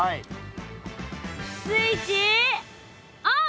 スイッチオン。